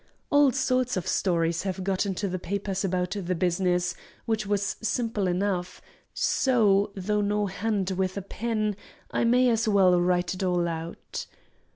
All sorts of stories have got into the papers about the business, which was simple enough; so, though no hand with a pen, I may as well write it all out.